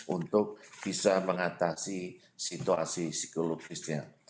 untuk bisa mengatasi situasi psikologisnya